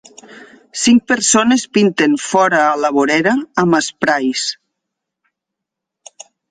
Cinc persones pinten fora a la vorera amb esprais.